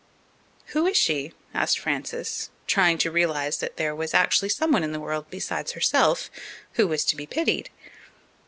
"Who is she?" asked Frances, trying to realize that there was actually someone in the world besides herself who was to be pitied.